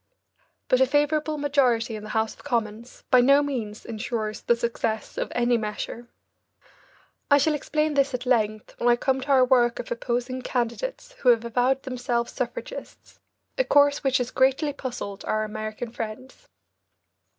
But a favourable majority in the House of Commons by no means insures the success of any measure. I shall explain this at length when I come to our work of opposing candidates who have avowed themselves suffragists, a course which has greatly puzzled our American friends.